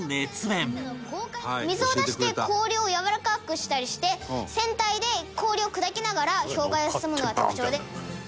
水を出して氷をやわらかくしたりして船体で氷を砕きながら氷海を進むのが特徴で。